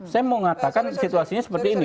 saya mau ngatakan situasinya seperti ini